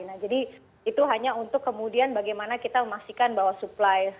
nah jadi itu hanya untuk kemudian bagaimana kita memastikan bahwa supply